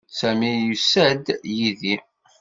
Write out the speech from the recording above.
Sami yusa-d yid-i.